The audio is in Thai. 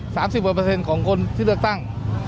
สามสิบเปอร์เปอร์เซ็นต์ของคนที่เลือกตั้ง